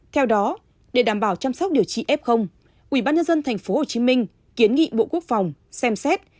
theo đó để đảm bảo chăm sóc điều trị f ủy ban nhân dân tp hcm kiến nghị bộ quốc phòng xem xét